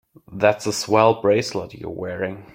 That's a swell bracelet you're wearing.